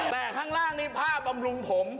แต่ข้างล่างนี่ผ้าบำรุงผม